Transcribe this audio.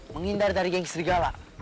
mengindari dari gang monstera